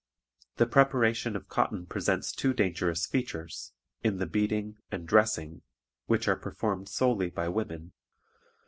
The preparation of cotton presents two dangerous features, in the 'beating' and 'dressing,' which are performed solely by women.